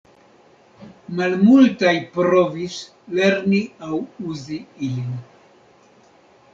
Malmultaj provis lerni aŭ uzi ilin.